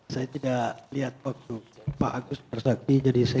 saya tidak lihat waktu pak agus persakti jadi saya